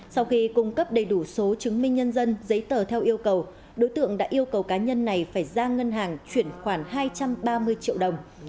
sau khi cung cấp đầy đủ số chứng minh nhân dân giấy tờ theo yêu cầu đối tượng đã yêu cầu cá nhân này phải ra ngân hàng chuyển khoản hai trăm ba mươi triệu đồng